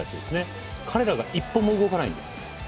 彼らが一歩も動かないんです。